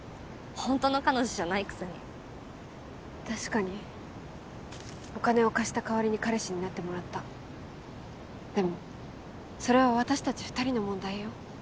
ホントの彼女じゃないくせに確かにお金を貸した代わりに彼氏になってもらったでもそれは私たち二人の問題よ